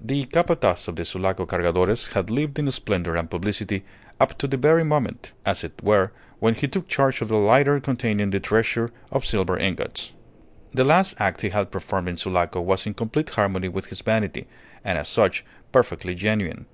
The Capataz of the Sulaco Cargadores had lived in splendour and publicity up to the very moment, as it were, when he took charge of the lighter containing the treasure of silver ingots. The last act he had performed in Sulaco was in complete harmony with his vanity, and as such perfectly genuine.